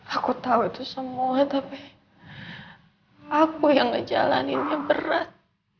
aku tahu itu semua tapi aku yang ngejalaninnya berat